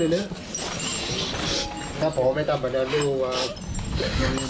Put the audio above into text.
ถ้าหนูทำแบบนั้นพ่อจะไม่มีรับบายเจ้าให้หนูได้เอง